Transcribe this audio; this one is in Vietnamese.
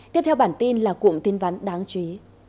tiếp theo bản tin là cụm tin ván đáng chú ý